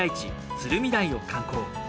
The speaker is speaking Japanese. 鶴見台を観光。